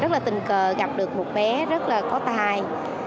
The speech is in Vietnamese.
rất là tình cờ gặp được một bé rất là có tài